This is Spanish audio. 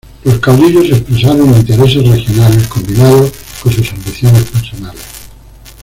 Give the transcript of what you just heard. Los caudillos expresaron intereses regionales combinados con sus ambiciones personales.